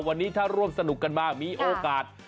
วันนี้ถ้าร่วมสนุกกันมามีโอกาส